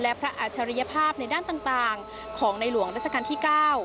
และพระอัจฉริยภาพในด้านต่างของในหลวงราชการที่๙